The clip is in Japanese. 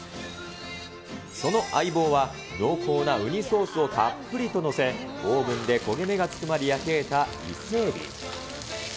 その相棒は、濃厚なうにソースをたっぷりと載せ、オーブンで焦げ目がつくまで焼き上げた伊勢エビ。